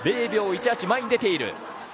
０秒１８、前に出ている。